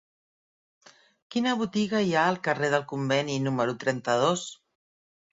Quina botiga hi ha al carrer del Conveni número trenta-dos?